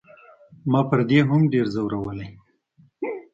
ما پر دې هم ډېر زورولی.